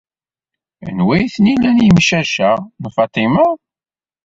Anwa ay ten-ilan yemcac-a? N Faṭima.